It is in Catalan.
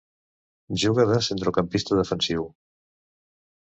Juga de centrecampista defensiu.